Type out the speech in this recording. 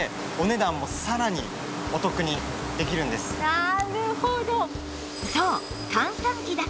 なるほど！